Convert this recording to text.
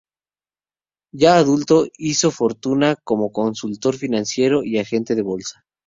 Ya adulto, hizo fortuna como consultor financiero y agente de bolsa.